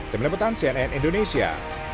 demi leputan cnn indonesia